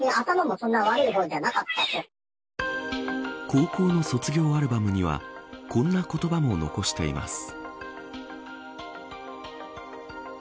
高校の卒業アルバムにはこんな言葉も残しています。